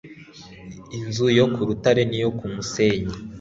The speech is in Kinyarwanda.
Inzu yo ku rutare n iyo ku musenyi